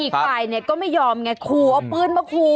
หีกภายนี่ก็ไม่ยอมไงคูเอาปืนมาคู